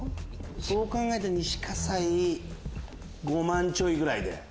そう考えたら西西５万ちょいぐらいで。